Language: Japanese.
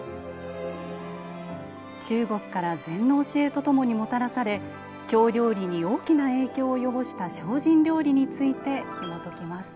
中国から禅の教えとともにもたらされ、京料理に大きな影響を及ぼした精進料理についてひもときます。